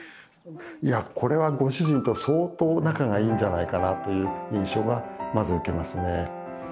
いやこれはご主人と相当仲がいいんじゃないかなという印象がまず受けますね。